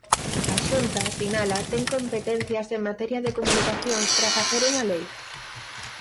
A Xunta, sinala, ten competencias en materia de comunicacións para facer unha lei.